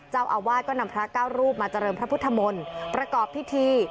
เจ้าอาวาสก็นำพระเก้ารูปมาเจริญพระพุทธมนต์ประกอบพิธี